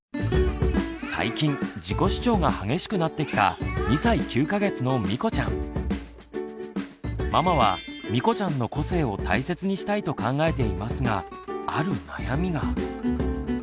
最近自己主張が激しくなってきたママはみこちゃんの個性を大切にしたいと考えていますがある悩みが。